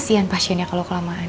kasian pasiennya kalo kelamaan